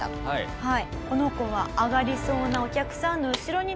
はい。